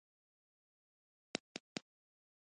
بېرته راګرځېده بلې خوا ته ځغسته.